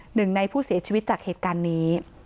หนึ่งในผู้เสียชีวิตจากเหตุการณ์นี้